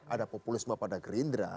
ada populisme pada gerindra